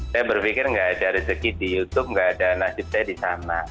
saya berpikir nggak ada rezeki di youtube nggak ada nasib saya di sana